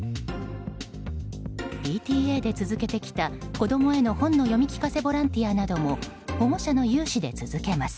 ＰＴＡで続けてきた、子供への本の読み聞かせボランティアなども保護者の有志で続けます。